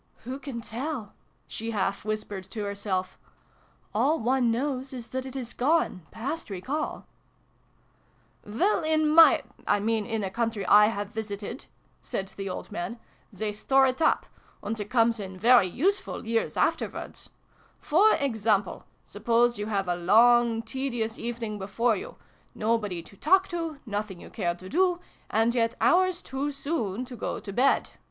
" Who can tell ?" she half whispered to herself. "All one knows is that it is gone past recall !" "Well, in my 1 mean in a country /have visited," said the old man, " they store it up : and it comes in very useful, years afterwards j For example, suppose you have a long tedious evening before you : nobody to talk to : nothing you care to do : and yet hours too soon to go to bed.